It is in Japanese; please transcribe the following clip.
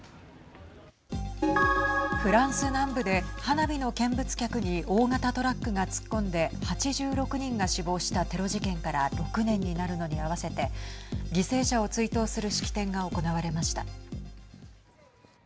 フランス南部で花火の見物客に大型トラックが突っ込んで８６人が死亡したテロ事件から６年になるのに合わせて犠牲者を追悼する式典が行われました。